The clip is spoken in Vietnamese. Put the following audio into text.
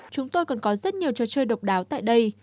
chúng tôi còn có rất nhiều trò chơi độc đáo tại đây